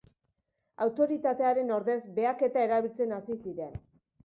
Autoritatearen ordez, behaketa erabiltzen hasi ziren.